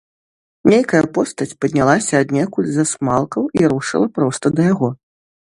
Нейкая постаць паднялася аднекуль з асмалкаў і рушыла проста да яго.